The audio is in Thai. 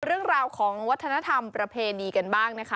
เรื่องราวของวัฒนธรรมประเพณีกันบ้างนะคะ